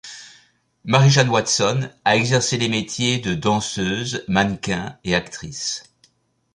Mary-Jane Watson a exercé les métiers de danseuse, mannequin et actrice.